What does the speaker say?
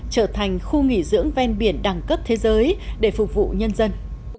trở thành khu nghỉ dưỡng ven biển đẳng cấp thế giới để phục vụ nhân dân